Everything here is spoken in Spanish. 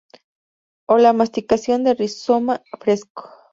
O la masticación del rizoma fresco.